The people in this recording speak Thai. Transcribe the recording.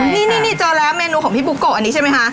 นี่เจอแล้วเมนูของพี่บุโกะอันนี้ใช่ไหมคะ